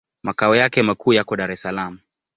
Makao yake makuu yako Dar es Salaam.